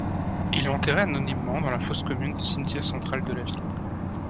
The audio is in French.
Il est enterré anonymement dans la fosse commune du cimetière central de la ville.